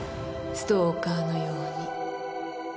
ストーカーのように